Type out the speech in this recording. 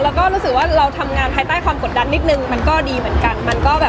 แล้วก็รู้สึกว่าเราทำงานภายใต้ความกดดันนิดนึงมันก็ดีเหมือนกัน